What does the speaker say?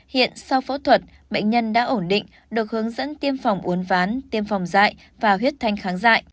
hiện sau phẫu thuật bệnh nhân đã ổn định được hướng dẫn tiêm phòng uốn ván tiêm phòng dại và huyết thanh kháng dại